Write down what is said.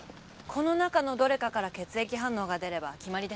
この中のどれかから血液反応が出れば決まりですね。